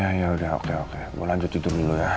ya yaudah oke oke gue lanjut tidur dulu ya